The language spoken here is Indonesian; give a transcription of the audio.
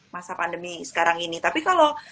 masa pandemi sekarang ini tapi kalau